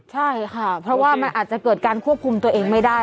ใช่ค่ะเพราะว่ามันอาจจะเกิดการควบคุมตัวเองไม่ได้